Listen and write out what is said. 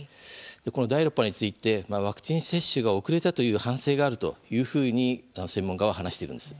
この第６波についてワクチン接種が遅れたという反省があるというふうに専門家は話しているんです。